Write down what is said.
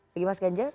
bagi mas ganjar